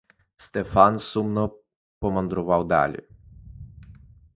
Стефан сумно помандрував далі.